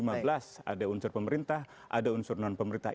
ada unsur pemerintah ada unsur non pemerintah